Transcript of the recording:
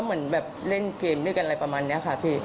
เหมือนแบบเล่นเกมด้วยกันอะไรประมาณนี้ค่ะพี่